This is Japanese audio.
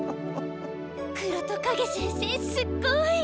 黒戸カゲ先生すっごい！